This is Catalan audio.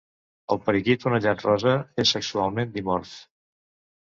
El periquito anellat rosa és sexualment dimorf.